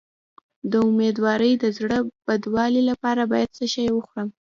د امیدوارۍ د زړه بدوالي لپاره باید څه شی وخورم؟